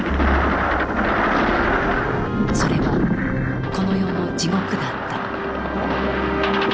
それはこの世の「地獄」だった。